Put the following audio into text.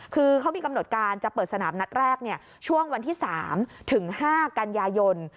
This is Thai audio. คือเขามีกำหนดการจะเปิดสนามนัดแรกช่วงวันที่๓ถึง๕กันยายน